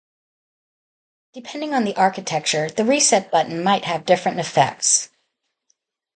Depending on the architecture, the reset button might have different effects.